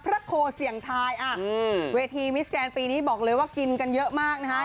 โคเสี่ยงทายเวทีมิสแกนปีนี้บอกเลยว่ากินกันเยอะมากนะฮะ